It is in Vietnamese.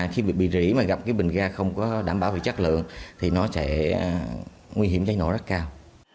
chỉ mà gặp cái bình ga không có đảm bảo về chất lượng thì nó sẽ nguy hiểm cháy nổ rất cao